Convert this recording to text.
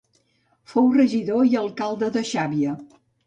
Fou regidor i alcalde de Xàbia.